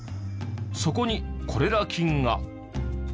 そこにコレラ菌が。